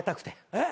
えっ？